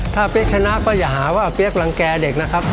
ถ้าเปี๊ยกชนะก็อย่าหาว่าเปี๊ยกรังแก่เด็กนะครับ